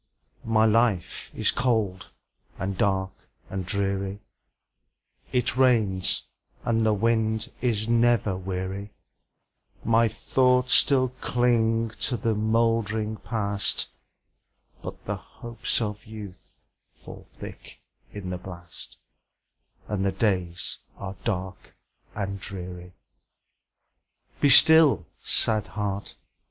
My life is cold, and dark, and dreary; It rains, and the wind is never weary; My thoughts still cling to the moldering Past, But the hopes of youth fall thick in the blast, And the days are dark and dreary. Be still, sad heart!